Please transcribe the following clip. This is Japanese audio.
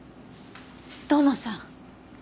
土門さん。